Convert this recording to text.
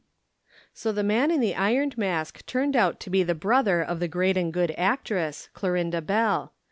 So the man in the Ironed Mask turned out to be the brother of the great and good actress, Clorinda Bell.